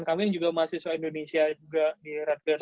teman teman kami juga mahasiswa indonesia juga di redbird